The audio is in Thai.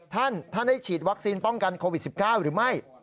ท่านท่านได้ฉีดวัคซีนป้องกันโควิด๑๙หรือไม่